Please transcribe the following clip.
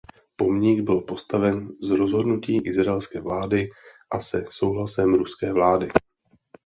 Pomník byl postaven z rozhodnutí izraelské vlády a se souhlasem ruské vlády.